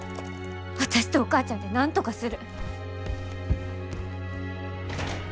私とお母ちゃんでなんとかする。